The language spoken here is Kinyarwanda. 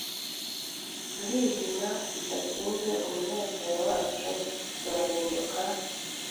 turihima, bidatinze umunezero wacu urahinduka